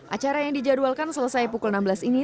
acara yang dijadwalkan selesai pukul enam belas ini